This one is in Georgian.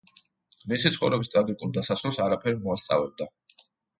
მისი ცხოვრების ტრაგიკულ დასასრულს არაფერი მოასწავებდა.